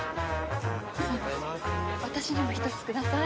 私にも１つください。